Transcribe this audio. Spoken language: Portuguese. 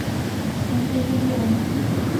Santa Juliana